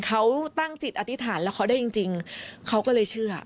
เขาตั้งจิตอธิษฐานแล้วเขาได้จริงเขาก็เลยเชื่อ